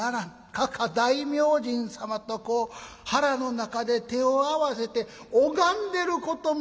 かか大明神様とこう腹の中で手を合わせて拝んでることもある。